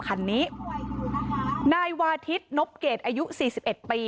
คันนี้นายวาทิศนบเกรดอายุสี่สิบเอ็ดปี